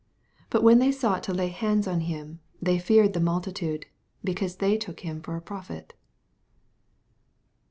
46 But when they sought to laj hands on him, they feared the multi tude, because they took him for a prophet.